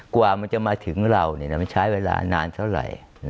กว่ามันจะมาถึงเรามันใช้เวลานานเท่าไหร่